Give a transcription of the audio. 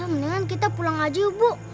mendingan kita pulang lagi ya bu